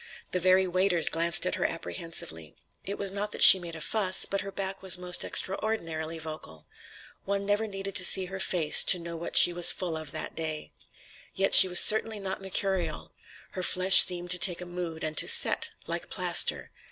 The very waiters glanced at her apprehensively. It was not that she made a fuss, but her back was most extraordinarily vocal. One never needed to see her face to know what she was full of that day. Yet she was certainly not mercurial. Her flesh seemed to take a mood and to "set," like plaster.